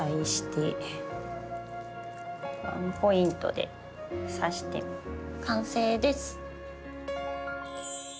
ワンポイントで挿して完成です。